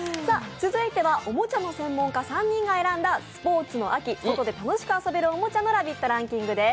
続いてはおもちゃの専門家３人が選んだスポ−ツの秋、外で楽しく遊べるおもちゃのランキングです。